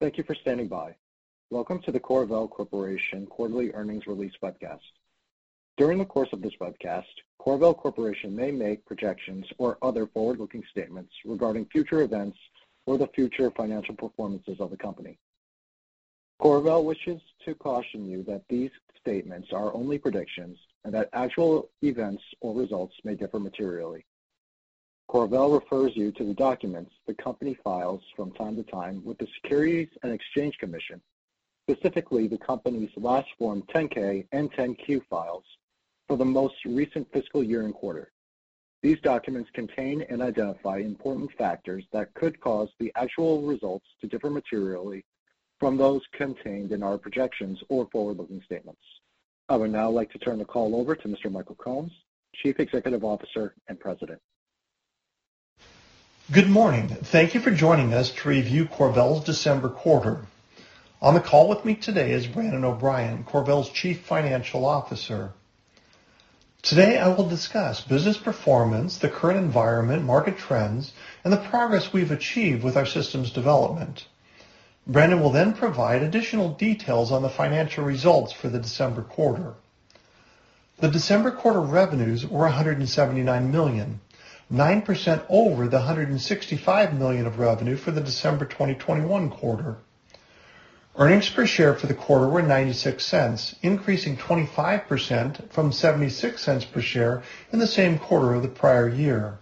Thank you for standing by. Welcome to the CorVel Corporation quarterly earnings release webcast. During the course of this webcast, CorVel Corporation may make projections or other forward-looking statements regarding future events or the future financial performances of the company. CorVel wishes to caution you that these statements are only predictions, and that actual events or results may differ materially. CorVel refers you to the documents the company files from time to time with the Securities and Exchange Commission, specifically the company's last Form 10-K and 10-Q files for the most recent fiscal year and quarter. These documents contain and identify important factors that could cause the actual results to differ materially from those contained in our projections or forward-looking statements. I would now like to turn the call over to Mr. Michael Combs, Chief Executive Officer and President. Good morning. Thank you for joining us to review CorVel's December quarter. On the call with me today is Brandon O'Brien, CorVel's Chief Financial Officer. Today I will discuss business performance, the current environment, market trends, and the progress we've achieved with our systems development. Brandon will provide additional details on the financial results for the December quarter. The December quarter revenues were $179 million, 9% over the $165 million of revenue for the December 2021 quarter. Earnings per share for the quarter were $0.96, increasing 25% from $0.76 per share in the same quarter of the prior year.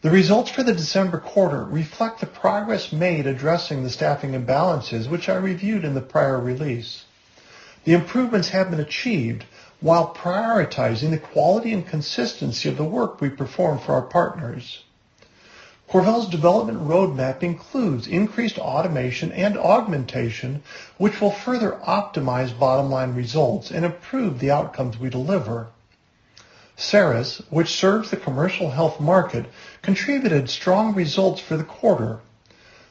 The results for the December quarter reflect the progress made addressing the staffing imbalances, which I reviewed in the prior release. The improvements have been achieved while prioritizing the quality and consistency of the work we perform for our partners. CorVel's development roadmap includes increased automation and augmentation, which will further optimize bottom-line results and improve the outcomes we deliver. CERIS, which serves the commercial health market, contributed strong results for the quarter.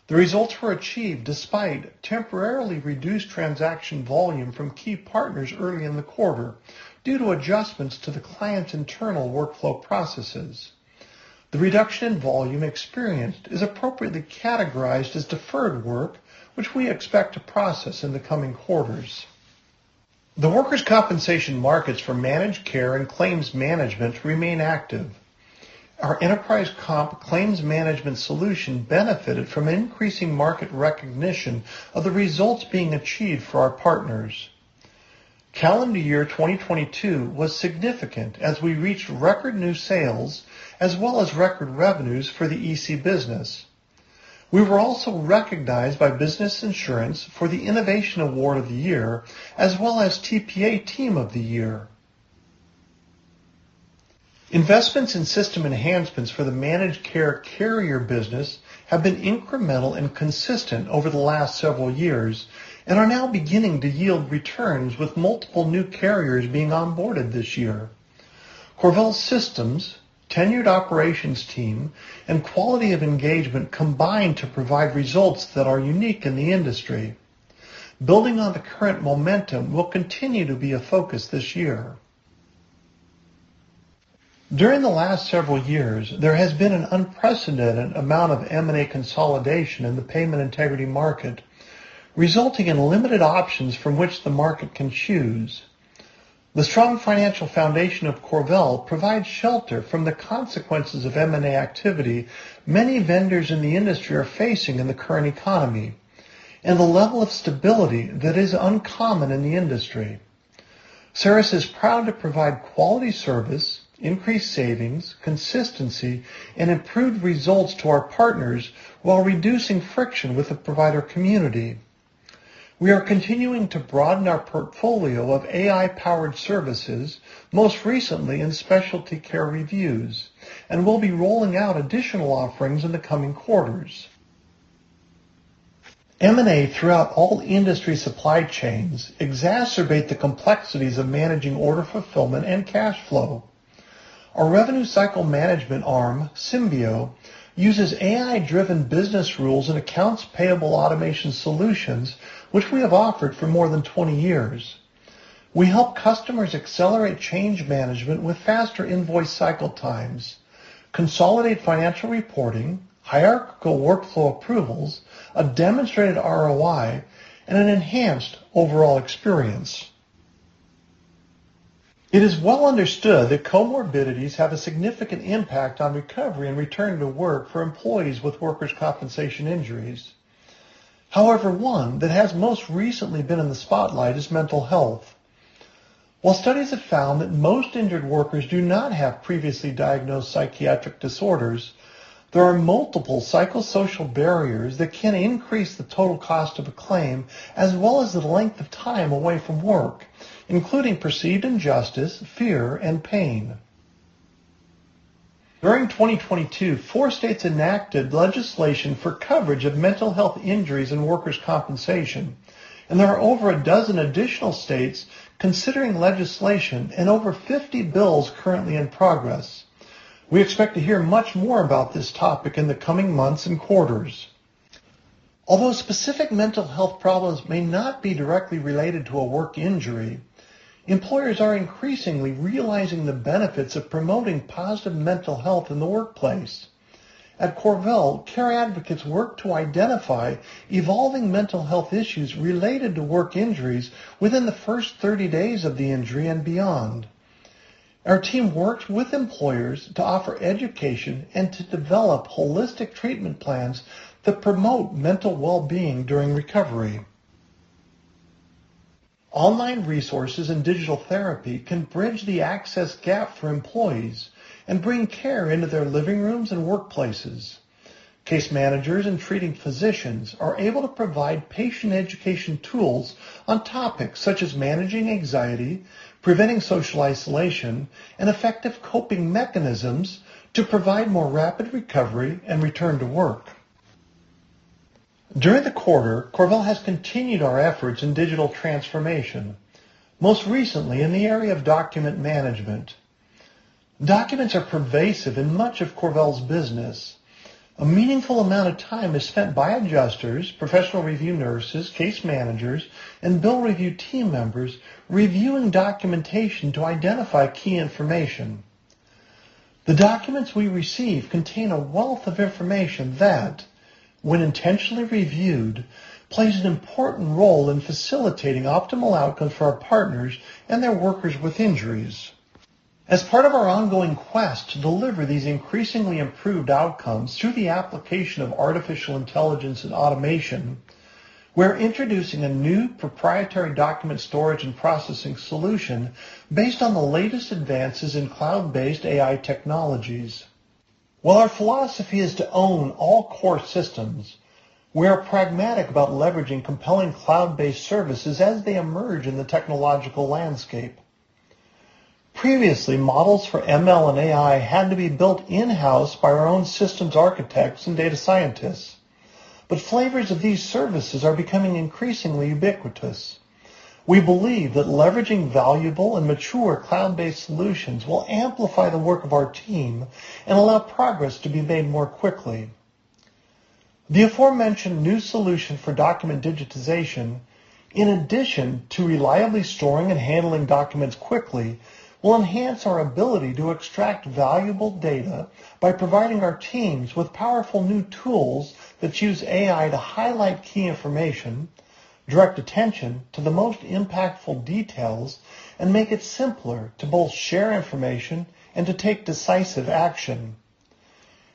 The results were achieved despite temporarily reduced transaction volume from key partners early in the quarter due to adjustments to the client's internal workflow processes. The reduction in volume experienced is appropriately categorized as deferred work, which we expect to process in the coming quarters. The workers' compensation markets for managed care and claims management remain active. Our Enterprise Comp claims management solution benefited from increasing market recognition of the results being achieved for our partners. Calendar year 2022 was significant as we reached record new sales as well as record revenues for the EC business. We were also recognized by Business Insurance for the Innovation Award of the Year as well as TPA Team of the Year. Investments in system enhancements for the managed care carrier business have been incremental and consistent over the last several years and are now beginning to yield returns with multiple new carriers being onboarded this year. CorVel's systems, tenured operations team, and quality of engagement combine to provide results that are unique in the industry. Building on the current momentum will continue to be a focus this year. During the last several years, there has been an unprecedented amount of M&A consolidation in the payment integrity market, resulting in limited options from which the market can choose. The strong financial foundation of CorVel provides shelter from the consequences of M&A activity many vendors in the industry are facing in the current economy, and the level of stability that is uncommon in the industry. CERIS is proud to provide quality service, increased savings, consistency, and improved results to our partners while reducing friction with the provider community. We are continuing to broaden our portfolio of AI-powered services, most recently in specialty care reviews, and we'll be rolling out additional offerings in the coming quarters. M&A throughout all industry supply chains exacerbate the complexities of managing order fulfillment and cash flow. Our revenue cycle management arm, Symbeo, uses AI-driven business rules and accounts payable automation solutions, which we have offered for more than 20 years. We help customers accelerate change management with faster invoice cycle times, consolidate financial reporting, hierarchical workflow approvals, a demonstrated ROI, and an enhanced overall experience. It is well understood that comorbidities have a significant impact on recovery and return to work for employees with workers' compensation injuries. However, one that has most recently been in the spotlight is mental health. While studies have found that most injured workers do not have previously diagnosed psychiatric disorders, there are multiple psychosocial barriers that can increase the total cost of a claim as well as the length of time away from work, including perceived injustice, fear, and pain. During 2022, four states enacted legislation for coverage of mental health injuries and workers' compensation, and there are over a dozen additional states considering legislation and over 50 bills currently in progress. We expect to hear much more about this topic in the coming months and quarters. Although specific mental health problems may not be directly related to a work injury, employers are increasingly realizing the benefits of promoting positive mental health in the workplace. At CorVel, Care Advocates work to identify evolving mental health issues related to work injuries within the first 30 days of the injury and beyond. Our team works with employers to offer education and to develop holistic treatment plans that promote mental wellbeing during recovery. Online resources and digital therapy can bridge the access gap for employees and bring care into their living rooms and workplaces. Case managers and treating physicians are able to provide patient education tools on topics such as managing anxiety, preventing social isolation, and effective coping mechanisms to provide more rapid recovery and return to work. During the quarter, CorVel has continued our efforts in digital transformation, most recently in the area of document management. Documents are pervasive in much of CorVel's business. A meaningful amount of time is spent by adjusters, professional review nurses, case managers, and bill review team members reviewing documentation to identify key information. The documents we receive contain a wealth of information that, when intentionally reviewed, plays an important role in facilitating optimal outcomes for our partners and their workers with injuries. As part of our ongoing quest to deliver these increasingly improved outcomes through the application of artificial intelligence and automation, we're introducing a new proprietary document storage and processing solution based on the latest advances in cloud-based AI technologies. While our philosophy is to own all core systems, we are pragmatic about leveraging compelling cloud-based services as they emerge in the technological landscape. Previously, models for ML and AI had to be built in-house by our own systems architects and data scientists. Flavors of these services are becoming increasingly ubiquitous. We believe that leveraging valuable and mature cloud-based solutions will amplify the work of our team and allow progress to be made more quickly. The aforementioned new solution for document digitization, in addition to reliably storing and handling documents quickly, will enhance our ability to extract valuable data by providing our teams with powerful new tools that use AI to highlight key information, direct attention to the most impactful details, and make it simpler to both share information and to take decisive action.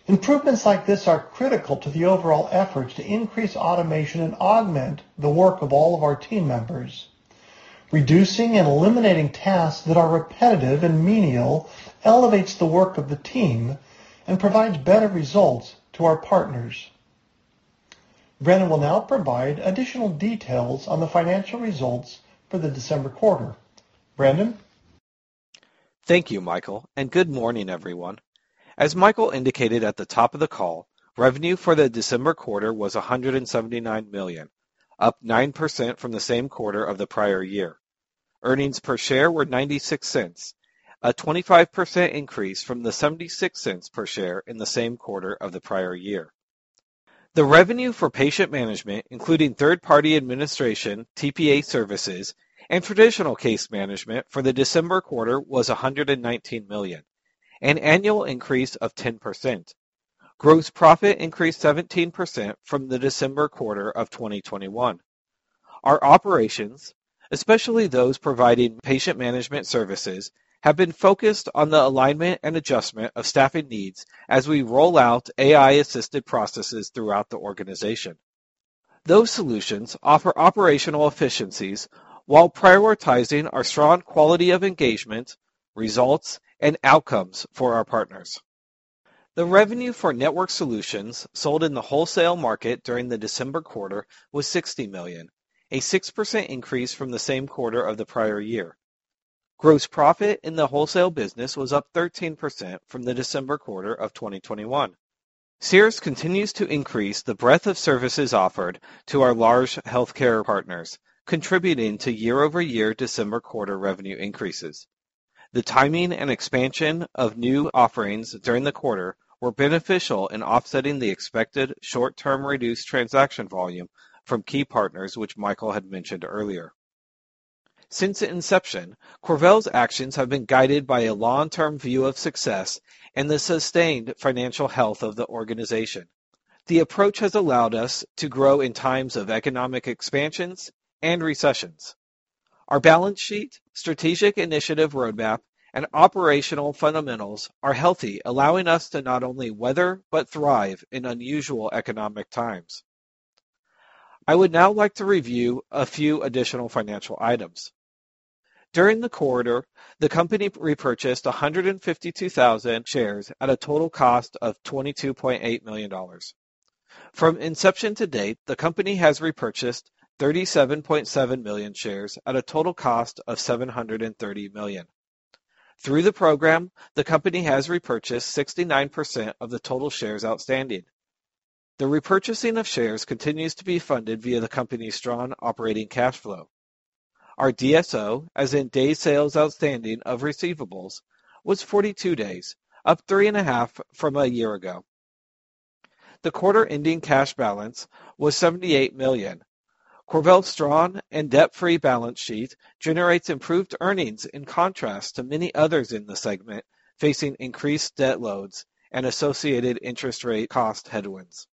Improvements like this are critical to the overall efforts to increase automation and augment the work of all of our team members. Reducing and eliminating tasks that are repetitive and menial elevates the work of the team and provides better results to our partners. Brandon will now provide additional details on the financial results for the December quarter. Brandon? Thank you, Michael. Good morning, everyone. As Michael indicated at the top of the call, revenue for the December quarter was $179 million, up 9% from the same quarter of the prior year. Earnings per share were $0.96, a 25% increase from the $0.76 per share in the same quarter of the prior year. The revenue for Patient Management, including Third-Party Administration, TPA services, and traditional case management for the December quarter was $119 million, an annual increase of 10%. Gross profit increased 17% from the December quarter of 2021. Our operations, especially those providing Patient Management services, have been focused on the alignment and adjustment of staffing needs as we roll out AI-assisted processes throughout the organization. Those solutions offer operational efficiencies while prioritizing our strong quality of engagement, results, and outcomes for our partners. The revenue for Network Solutions sold in the wholesale market during the December quarter was $60 million, a 6% increase from the same quarter of the prior year. Gross profit in the wholesale business was up 13% from the December quarter of 2021. CERIS continues to increase the breadth of services offered to our large healthcare partners, contributing to year-over-year December quarter revenue increases. The timing and expansion of new offerings during the quarter were beneficial in offsetting the expected short-term reduced transaction volume from key partners, which Michael had mentioned earlier. Since inception, CorVel's actions have been guided by a long-term view of success and the sustained financial health of the organization. The approach has allowed us to grow in times of economic expansions and recessions. Our balance sheet, strategic initiative roadmap, and operational fundamentals are healthy, allowing us to not only weather, but thrive in unusual economic times. I would now like to review a few additional financial items. During the quarter, the company repurchased 152,000 shares at a total cost of $22.8 million. From inception to date, the company has repurchased 37.7 million shares at a total cost of $730 million. Through the program, the company has repurchased 69% of the total shares outstanding. The repurchasing of shares continues to be funded via the company's strong operating cash flow. Our DSO, as in days sales outstanding of receivables, was 42 days, up 3.5 from a year ago. The quarter-ending cash balance was $78 million. CorVel's strong and debt-free balance sheet generates improved earnings in contrast to many others in the segment, facing increased debt loads and associated interest rate cost headwinds.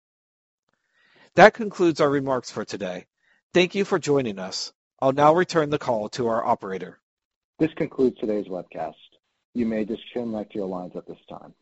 That concludes our remarks for today. Thank you for joining us. I'll now return the call to our operator. This concludes today's webcast. You may disconnect your lines at this time.